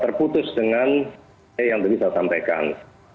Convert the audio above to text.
terputus dengan yang bisa disampaikan